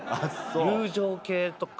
友情系とか。